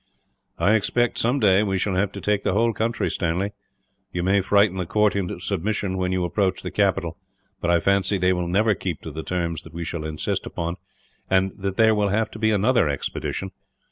"I expect, some day, we shall have to take the whole country, Stanley. You may frighten the court into submission, when you approach the capital; but I fancy they will never keep to the terms that we shall insist upon, and that there will have to be another expedition.